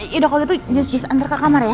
yaudah kalo gitu just just antar ke kamar ya